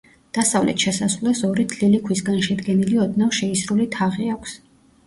დასავლეთ შესასვლელს ორი თლილი ქვისგან შედგენილი ოდნავ შეისრული თაღი აქვს.